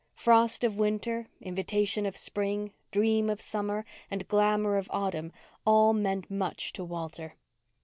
Frost of winter, invitation of spring, dream of summer and glamour of autumn, all meant much to Walter.